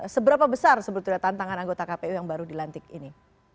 seberapa besar sebetulnya tantangan anggota kpu yang baru dilantik ini